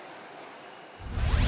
tidak ada yang dianggap